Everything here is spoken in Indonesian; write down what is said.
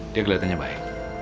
dia keliatannya baik